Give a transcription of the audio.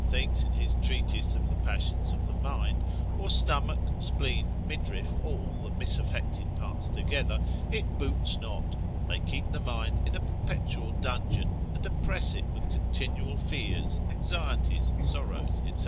thinks in his treatise of the passions of the mind, or stomach, spleen, midriff, or all the misaffected parts together, it boots not, they keep the mind in a perpetual dungeon, and oppress it with continual fears, anxieties, sorrows, &c.